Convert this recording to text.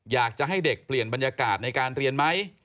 อยากจะให้เด็กเปลี่ยนบรรยากาศในการเรียนไหม